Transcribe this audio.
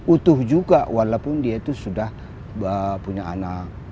utuh juga walaupun dia itu sudah punya anak